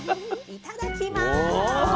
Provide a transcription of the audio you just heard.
いただきます。